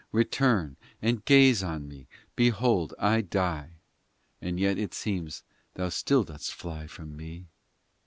Return and gaze on me Behold I die And yet it seems Thou still dost fly from me.